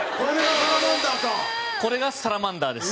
水田：これがサラマンダーです。